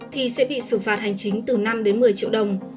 thì sẽ bị xử phạt hành chính từ năm đến một mươi triệu đồng